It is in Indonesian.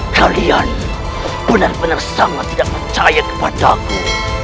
kalian benar benar sama tidak percaya kepadaku